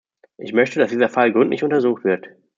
Ich möchte, dass dieser Fall gründlich untersucht wird.